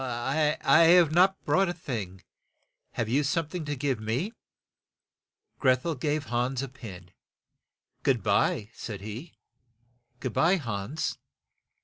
"I have not brought a thing. Have you some thing to give me?" Greth el gave Hans a pin. "Good by," said he. "Good by, Hans."